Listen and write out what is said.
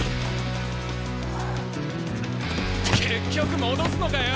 結局戻すのかよ！